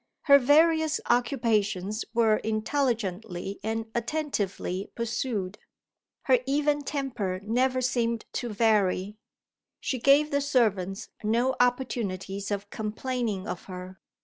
Her various occupations were intelligently and attentively pursued; her even temper never seemed to vary; she gave the servants no opportunities of complaining of her.